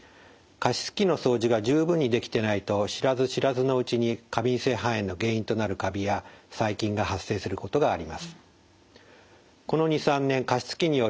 加湿器の掃除が十分にできてないと知らず知らずのうちに過敏性肺炎の原因となるカビや細菌が発生することがあります。